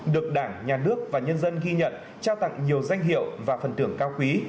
được đảng nhà nước và nhân dân ghi nhận trao tặng nhiều danh hiệu và phần thưởng cao quý